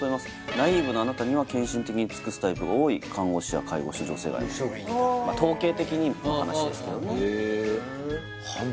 ナイーブなあなたには献身的に尽くすタイプが多い看護師や介護士女性が合います「統計的に」の話ですけどね